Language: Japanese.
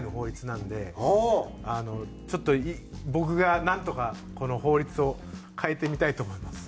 ちょっと僕がなんとかこの法律を変えてみたいと思います。